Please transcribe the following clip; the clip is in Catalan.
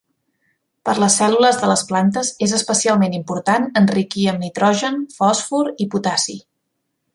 Per les cèl·lules de les plantes és especialment important enriquir amb nitrogen, fòsfor i potassi.